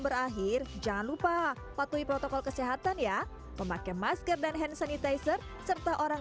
berakhir jangan lupa patuhi protokol kesehatan ya memakai masker dan hand sanitizer serta orang